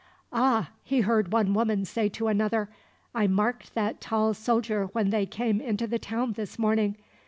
"Ah!" he heard one woman say to another, "I marked that tall soldier when they came into the town, this morning.